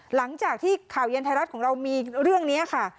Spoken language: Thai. หลังจากที่ข่าวเย็นไทยรัฐของเรามีเรื่องนี้ค่ะ